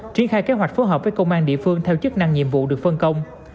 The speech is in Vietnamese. triển khai kế hoạch phối hợp với công an địa phương theo chức năng nhiệm vụ được phân công